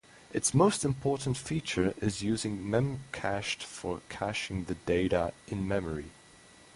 Its most important feature is using memcached for caching the data in memory.